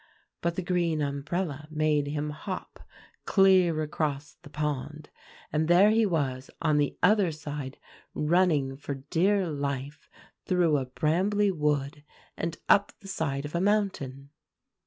But the green umbrella made him hop clear across the pond; and there he was on the other side, running for dear life through a brambly wood, and up the side of a mountain."